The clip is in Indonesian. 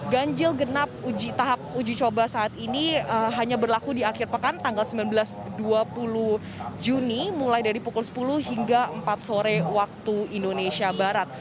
ganjil genap tahap uji coba saat ini hanya berlaku di akhir pekan tanggal sembilan belas dua puluh juni mulai dari pukul sepuluh hingga empat sore waktu indonesia barat